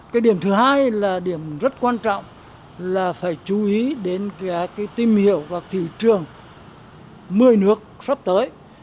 cái điểm thứ hai là điểm rất quan trọng là phải chú ý đến cái tìm hiểu các thị trường một mươi nước sắp tới